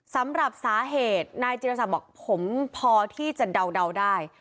สำหรับสาเหตุนายจิรษักบอกผมพอที่จะเดาได้